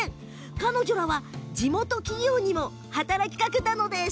彼女らは地元企業にも働きかけました。